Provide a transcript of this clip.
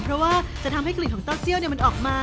เพราะว่าจะทำให้กลิ่นของเต้าเจียวมันออกมา